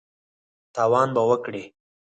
تاوان به وکړې !